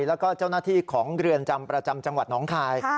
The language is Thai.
แล้วก็เจ้าหน้าที่ของเรือนจำประจำจังหวัดน้องคาย